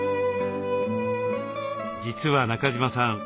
実は中島さん